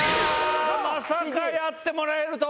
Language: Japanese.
まさかやってもらえるとは。